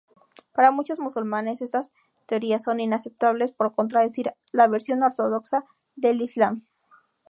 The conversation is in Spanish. Para muchos musulmanes estas teorías son inaceptables por contradecir la versión ortodoxa del Islam.